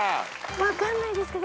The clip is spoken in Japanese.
分かんないですけど５番。